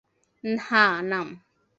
হ্যাঁ, নাম।